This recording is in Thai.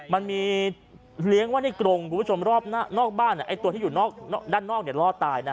มันมีเลี้ยงว่าในกรงรอบนอกบ้านตัวที่อยู่ด้านนอกรอบตาย